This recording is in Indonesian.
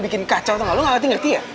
bikin kacau lu ngerti ngerti ya